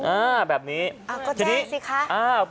อ้าวแบบนี้ทีนี้อ้าวก็แจ้งสิคะ